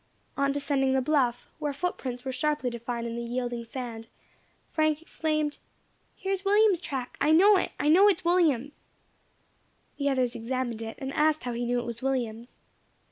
On descending the bluff, where footprints were sharply defined in the yielding sand, Frank exclaimed: "Here is William's track! I know it I know it is William's!" The others examined it, and asked how he knew it was William's.